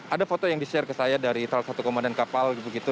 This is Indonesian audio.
ada foto yang di share ke saya dari salah satu komandan kapal begitu